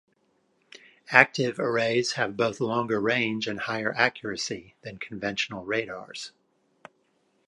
Active arrays have both longer range and higher accuracy than conventional radars.